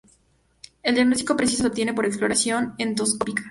El diagnóstico preciso se obtiene por exploración endoscópica.